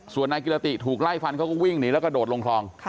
ส่วนนายกิรติถูกไล่ฟันเขาก็วิ่งหนีแล้วก็โดดลงคลอง